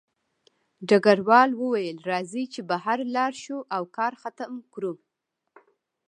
ډګروال وویل راځئ چې بهر لاړ شو او کار ختم کړو